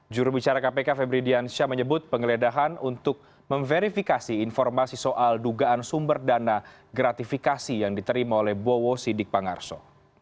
jurubicara kpk febri diansyah menyebut penggeledahan untuk memverifikasi informasi soal dugaan sumber dana gratifikasi yang diterima oleh bowo sidikpangarso